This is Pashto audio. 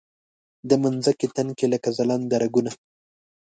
د مځکې تن کې لکه ځلنده رګونه